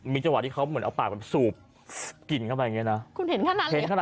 มีจังหวะที่เขาเบาปากสูบกลิ่นเข้าไปกันอย่างเนี้ยนะ